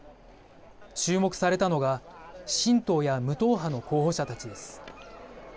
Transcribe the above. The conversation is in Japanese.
注目されたのが新党や無党派の候補者たちです。